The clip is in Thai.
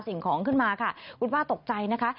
สิ่งของขึ้นมาค่ะคุณป้าตกใจนะคะ